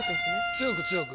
強く強く。